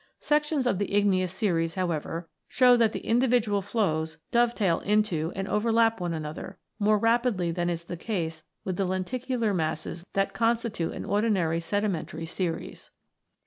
Sections in the igneous series, however, show that the individual flows dove tail into and overlap one another, more rapidly than is the case with the lenticular masses that constitute an ordinary sedimentary series.